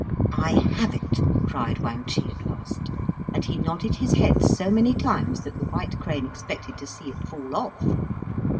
"I have it!" cried Wang Chih at last; and he nodded his head so many times that the white crane expected to see it fall off.